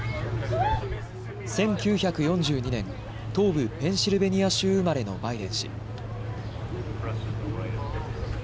１９４２年、東部ペンシルベニア州生まれのバイデン氏。